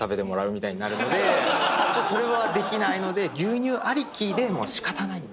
それはできないので牛乳ありきで仕方ないんですね。